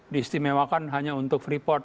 diistimewakan hanya untuk freeport